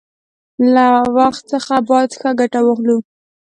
له وخت څخه باید ښه گټه واخلو.